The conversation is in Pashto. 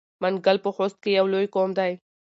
منګل په خوست کې یو لوی قوم دی.